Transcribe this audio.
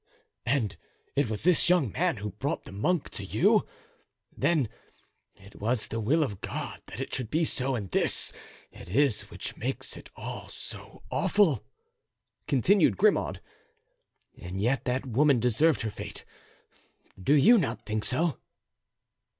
"And it was this young man who brought the monk to you? Then it was the will of God that it should be so and this it is which makes it all so awful," continued Grimaud. "And yet that woman deserved her fate; do you not think so?"